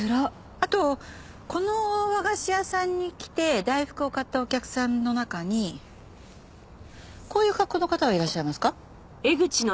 あとこの和菓子屋さんに来て大福を買ったお客さんの中にこういう格好の方はいらっしゃいますか？